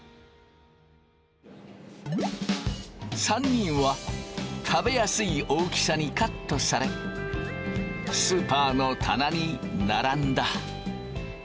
３人は食べやすい大きさにカットされスーパーの棚に並んだ。